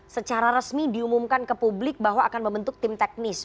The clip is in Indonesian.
secara resmi diumumkan ke publik bahwa akan membentuk tim teknis